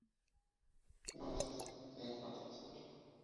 No es exigente en cuanto al suelo.